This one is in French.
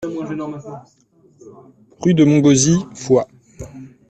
Rue de Montgauzy, Foix